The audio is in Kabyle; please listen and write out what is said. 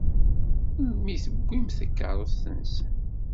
Melmi i tewwimt takeṛṛust-nsen?